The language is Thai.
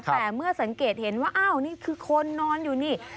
แต่เมื่อสังเกตเห็นว่าอ้าวนี่คือคนนอนอยู่นี่